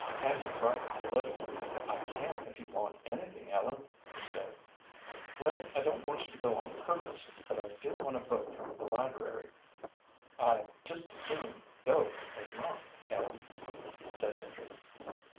Andrew brightened a little. "I can if you want anything, Ellen," he said. "Well, I don't want you to go on purpose, but I do want a book from the library." "I'd just as soon go as not, Ellen," said Andrew.